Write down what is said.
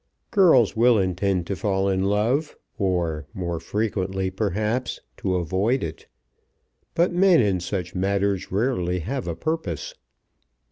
Girls will intend to fall in love, or, more frequently perhaps, to avoid it; but men in such matters rarely have a purpose.